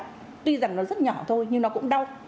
tuy rằng nó rất nhỏ thôi nhưng nó cũng đau